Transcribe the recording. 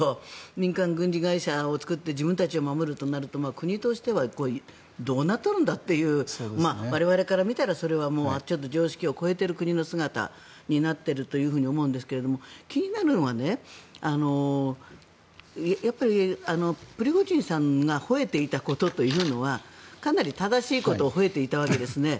民間軍事会社を作って自分たちを守るとなると国としてはどうなっとるんだという我々から見たら、それはちょっと常識を超えている国の姿になっていると思うんですが気になるのはプリゴジンさんがほえていたことというのはかなり正しいことをほえていたわけですね。